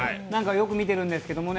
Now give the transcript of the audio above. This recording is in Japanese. よく見てるんですけれどもね。